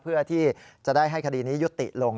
เพื่อที่จะได้ให้คดีนี้ยุติลง